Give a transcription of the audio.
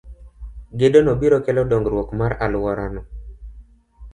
Gedo no biro kelo dongruok mar alworano.